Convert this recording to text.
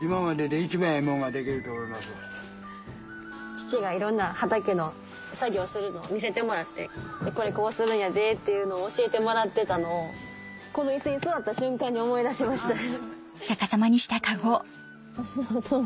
父がいろんな畑の作業をするの見せてもらって「これこうするんやで」っていうのを教えてもらってたのをこの椅子に座った瞬間に思い出しましたね。